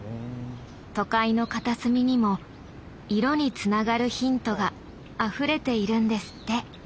都会の片隅にも色につながるヒントがあふれているんですって。